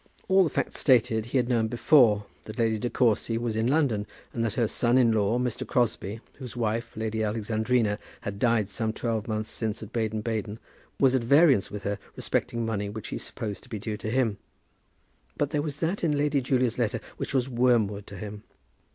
All the facts stated he had known before; that Lady De Courcy was in London, and that her son in law, Mr. Crosbie, whose wife, Lady Alexandrina, had died some twelve months since at Baden Baden, was at variance with her respecting money which he supposed to be due to him. But there was that in Lady Julia's letter which was wormwood to him.